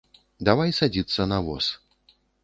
Давай садзіцца на воз.